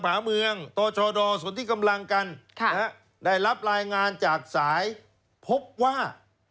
ภาคเมืองโตชอโดสวทิกำลังกันค่ะได้รับรายงานจากสายพบว่า